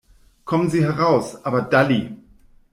Kommen Sie heraus, aber dalli!